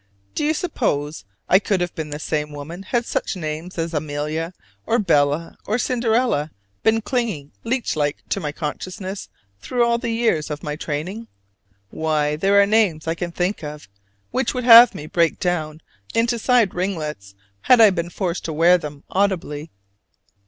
Do you suppose I could have been the same woman had such names as Amelia or Bella or Cinderella been clinging leechlike to my consciousness through all the years of my training? Why, there are names I can think of which would have made me break down into side ringlets had I been forced to wear them audibly.